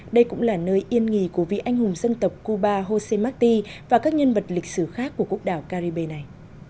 đây cũng là nơi yên nghỉ của vị anh hùng dân tộc cuba jose marti và các nhân vật lịch sử khác của quốc đảo caribe này